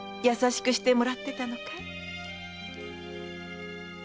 優しくしてもらってたのかい？